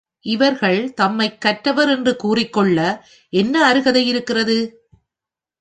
இவர்கள் தம்மைக் கற்றவர் என்று கூறிக்கொள்ள என்ன அருகதை இருக்கிறது?